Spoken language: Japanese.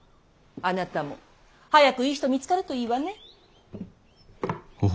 あなたも早くいい人見つかるといいわね。